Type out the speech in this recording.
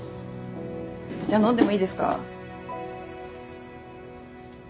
じゃあ飲んでもいいですか？